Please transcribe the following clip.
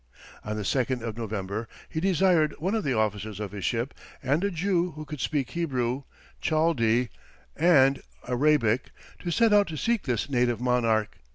On the 2nd of November he desired one of the officers of his ship, and a Jew who could speak Hebrew, Chaldee, and Arabic, to set out to seek this native monarch.